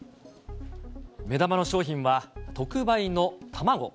目玉の商品は、特売の卵。